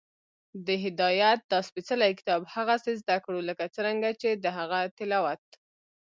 د هدایت دا سپېڅلی کتاب هغسې زده کړو، لکه څنګه چې د هغه تلاوت